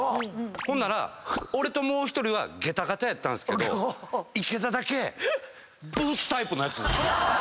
ほんなら俺ともう１人は下駄型やったんですけどイケダだけブーツタイプのやつ。